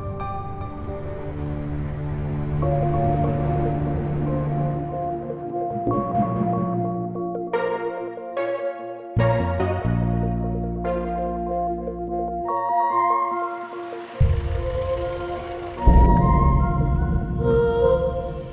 sepertinya ini rumahnya pak